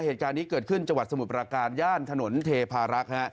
เหตุการณ์นี้เกิดขึ้นจังหวัดสมุทรประการย่านถนนเทพารักษ์ฮะ